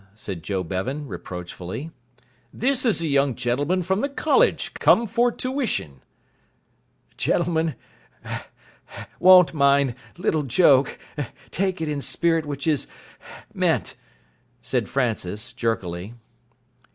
said Joe Bevan, reproachfully. "This is a young gentleman from the college come for tuition." "Gentleman won't mind little joke take it in spirit which is meant," said Francis, jerkily.